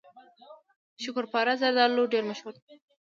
شکرپاره زردالو ډیر مشهور دي.